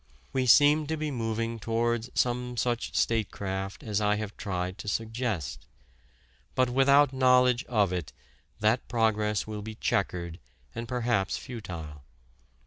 We seem to be moving towards some such statecraft as I have tried to suggest. But without knowledge of it that progress will be checkered and perhaps futile.